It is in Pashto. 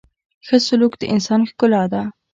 • ښه سلوک د انسان ښکلا ده.